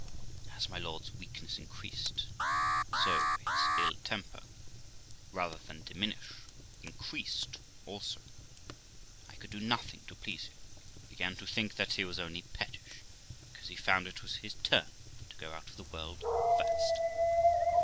As my lord's weakness increased, so his ill temper, rather than diminish, increased also. 1 could do nothing to please him, and began to think that he was only pettish because he found it was his turn to go out of the world first.